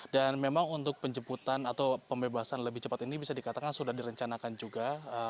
dan memang untuk penjemputan atau pembebasan lebih cepat ini bisa dikatakan sudah direncanakan juga